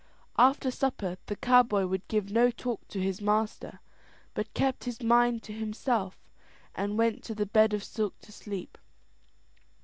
After supper the cowboy would give no talk to his master, but kept his mind to himself, and went to the bed of silk to sleep.